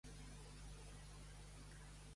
El personatge va ser reincorporar més tard.